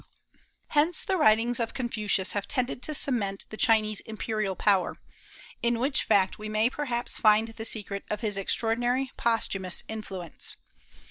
Hence, the writings of Confucius have tended to cement the Chinese imperial power, in which fact we may perhaps find the secret of his extraordinary posthumous influence.